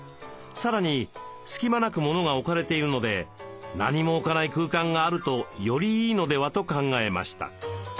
さらに隙間なくモノが置かれているので何も置かない空間があるとよりいいのではと考えました。